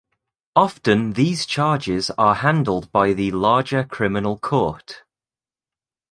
Often these charges are handled by the larger criminal court.